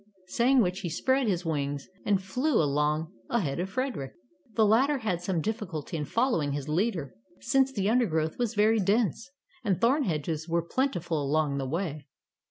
'^ Saying which he spread his wings, and flew along ahead of Frederick. The latter had some difficulty in following his leader, since the undergrowth was very dense, and thorn hedges were plentiful along the way.